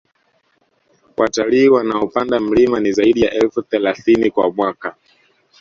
Watalii wanaopanda mlima ni zaidi ya elfu thelathini kwa mwaka